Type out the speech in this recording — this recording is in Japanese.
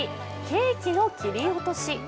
ケーキの切り落とし。